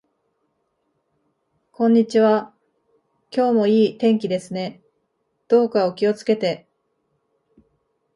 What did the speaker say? こんにちは。今日も良い天気ですね。どうかお気をつけて。